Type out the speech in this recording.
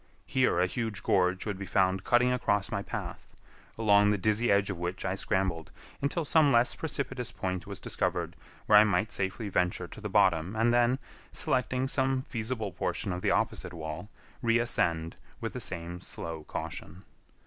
Here a huge gorge would be found cutting across my path, along the dizzy edge of which I scrambled until some less precipitous point was discovered where I might safely venture to the bottom and then, selecting some feasible portion of the opposite wall, reascend with the same slow caution.